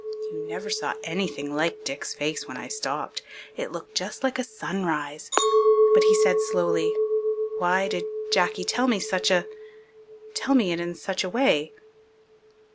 You never saw anything like Dick's face when I stopped. It looked just like a sunrise. But he said slowly, "Why did Jacky tell me such a tell me it in such a way?"